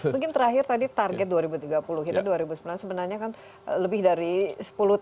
mungkin terakhir tadi target dua ribu tiga puluh kita dua ribu sembilan belas sebenarnya kan lebih dari sepuluh tahun